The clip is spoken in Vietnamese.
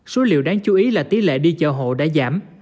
số liệu đáng chú ý là tỷ lệ đi chợ hộ đã giảm